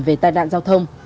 về tai nạn giao thông